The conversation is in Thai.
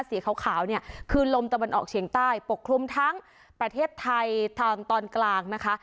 สีขาวเนี่ยคือลมตะวันออกเฉียงใต้ปกคลุมทั้งประเทศไทยทางตอนกลางนะคะ